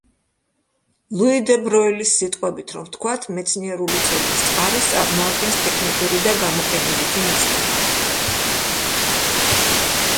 ლუი დე ბროილის სიტყვებით რომ ვთქვათ: „მეცნიერული ცოდნის წყაროს წარმოადგენს ტექნიკური და გამოყენებითი მიზნები“.